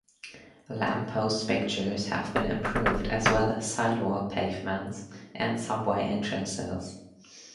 Lamp post fixtures have been improved as well as sidewalk pavements and subway entrances.